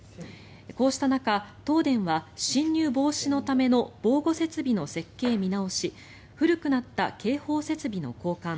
こうした中、東電は侵入防止のための防護設備の設計見直し古くなった警報設備の交換